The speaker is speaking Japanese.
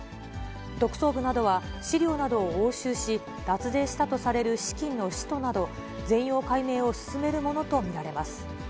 特捜部などは資料などを押収し、脱税したとされる資金の使途など、全容解明を進めるものと見られます。